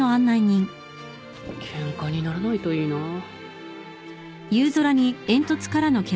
ケンカにならないといいなぁ。